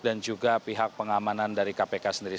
dan juga pihak pengamanan dari kpk sendiri